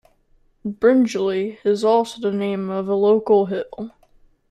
Bringelly is also the name of a local hill.